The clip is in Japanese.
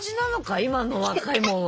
今の若いもんは。